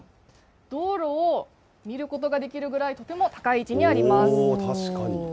道路を見ることができるぐらいとても高い位置にあります。